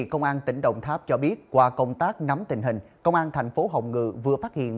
công an tỉnh đồng tháp cho biết qua công tác nắm tình hình công an thành phố hồng ngự vừa phát hiện